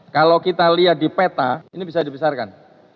kalau kita lihat di peta ini bisa dibesarkan